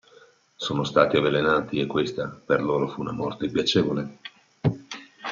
Sono stati avvelenati e questa per loro fu una morte piacevole!